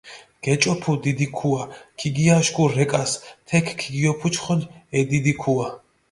გეჭოფუ დიდი ქუა, ქიგიაშქუ რეკას, თექი ქიგიოფუჩხოლჷ ე დიდი ქუა.